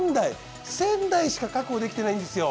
１，０００台しか確保できてないんですよ。